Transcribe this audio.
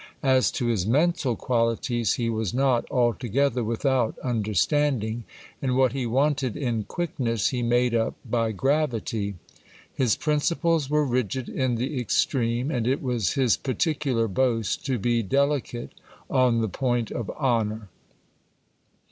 As to his mental qualities, he was not altogether without understanding ; and what he wanted in quickness he made up by gravity. His principles were rigid in the extreme ; and it was his particular boast to be delicate on the point of honour.